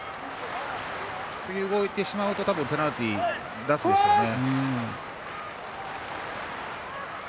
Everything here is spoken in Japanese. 次、動いてしまうとペナルティー出すでしょうね。